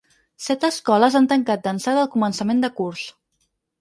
Set escoles han tancat d’ençà del començament de curs.